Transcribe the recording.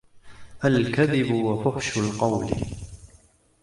الْكَذِبُ وَفُحْشُ الْقَوْلِ